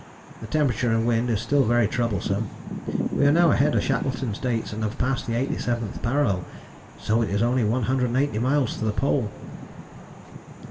The temperature and wind is still very troublesome. We are now ahead of Shackleton's dates and have passed the 87th parallel, so it is only 180 miles to the Pole.